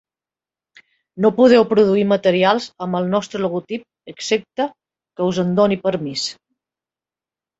No podeu produir materials amb el nostre logotip excepte que us en doni permís.